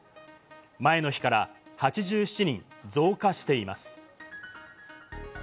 前の日から８７人増加しています。